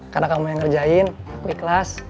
karena kamu yang ngerjain aku ikhlas